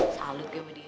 salut gue sama dia